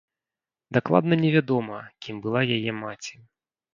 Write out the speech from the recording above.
Дакладна не вядома, кім была яе маці.